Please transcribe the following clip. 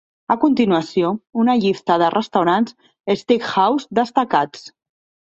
A continuació, una llista de restaurants "steakhouse" destacats.